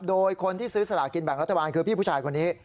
โดยคนที่ซื้อสลากินแบ่งรัฐบาลคือพี่ผู้ชายคนนี้